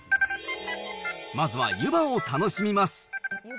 まずは湯葉を楽しみます。